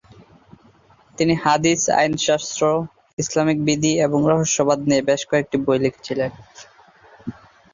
তিনি হাদিস, আইনশাস্ত্র, ইসলামিক বিধি এবং রহস্যবাদ নিয়ে বেশ কয়েকটি বই লিখেছিলেন।